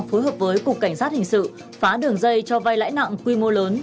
phối hợp với cục cảnh sát hình sự phá đường dây cho vai lãi nặng quy mô lớn